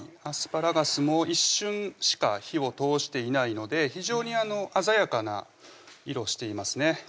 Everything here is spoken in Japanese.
アスパラガスも一瞬しか火を通していないので非常に鮮やかな色していますね